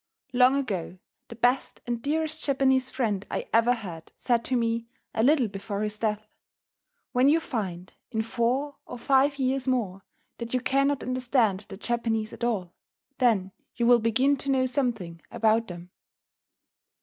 Long ago the best and dearest Japanese friend I ever had said to me, a little before his death: "When you find, in four or five years more, that you cannot understand the Japanese at all, then you will begin to know something about them."